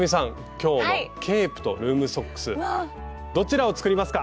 今日のケープとルームソックスどちらを作りますか？